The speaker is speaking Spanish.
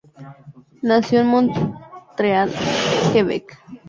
Nació en Montreal, Quebec.